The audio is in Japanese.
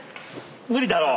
無理だろう。